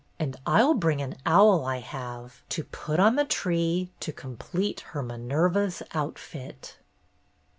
And I'll bring an owl I have, to put on the tree to complete her Minerva's outfit."